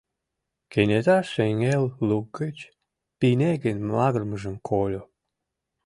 Кенета шеҥгел лук гыч пинегын магырымыжым кольо.